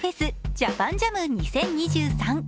ＪＡＰＡＮＪＡＭ２０２３。